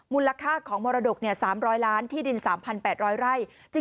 มูลค่าของมรดุกเนี่ย๓๐๐ล้านบาทที่ดิน๓๘๐๐ไร่